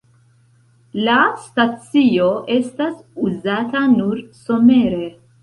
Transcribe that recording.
La stacio estas uzata nur somere.